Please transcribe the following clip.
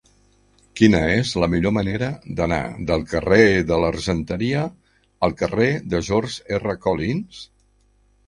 Quina és la millor manera d'anar del carrer de l'Argenteria al carrer de George R. Collins?